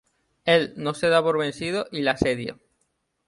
Él no se da por vencido y la asedia.